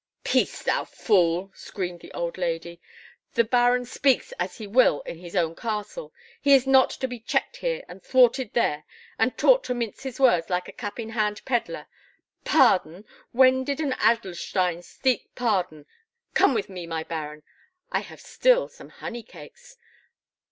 "Peace, thou fool!" screamed the old lady. "The Baron speaks as he will in his own castle. He is not to be checked here, and thwarted there, and taught to mince his words like a cap in hand pedlar. Pardon! When did an Adlerstein seek pardon? Come with me, my Baron; I have still some honey cakes."